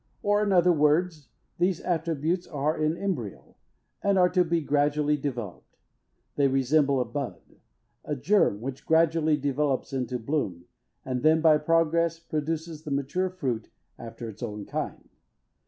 Or, in other words, these attributes are in embryo; and are to be gradually developed. They resemble a bud a germ, which gradually developes into bloom, and then, by progress, produces the mature fruit, after its own kind.